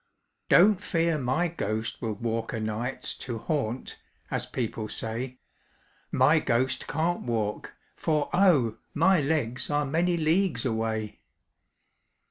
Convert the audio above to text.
"Don't fear my ghost will walk o' nights To haunt, as people say; My ghost can't walk, for, oh! my legs Are many leagues away!